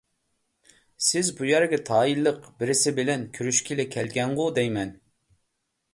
سىز بۇ يەرگە تايىنلىق بىرسى بىلەن كۆرۈشكىلى كەلگەنغۇ دەيمەن؟